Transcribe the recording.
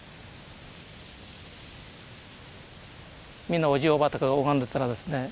みんなおじいおばあとかが拝んでたらですね